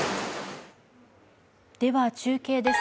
では、中継です。